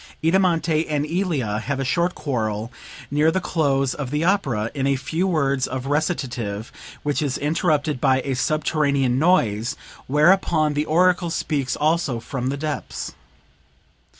"Idamante and Ilia have a short quarrel (near the close of the opera) in a few words of recitative which is interrupted by a subterranean noise, whereupon the oracle speaks also from the depths.